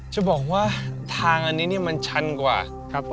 จะบอกว่าทางอันนี้มันชันกว่าครับผม